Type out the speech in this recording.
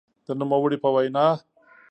د نوموړي په وینا؛